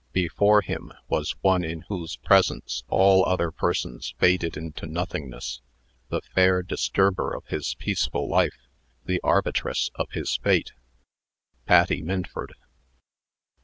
Before him was one in whose presence all other persons faded into nothingness the fair disturber of his peaceful life the arbitress of his fate Patty Minford.